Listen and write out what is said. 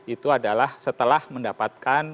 itu adalah setelah mendapatkan